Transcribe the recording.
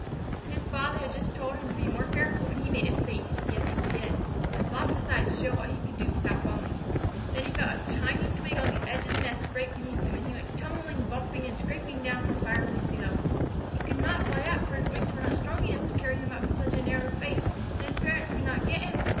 His father had just told him to be more careful, and he made a face (yes, he did) and flopped aside to show what he could do without falling. Then he felt a tiny twig on the edge of the nest break beneath him, and he went tumbling, bumping, and scraping down into the fireplace below. He could not fly up, for his wings were not strong enough to carry him up such a narrow space, and his parents could not get him.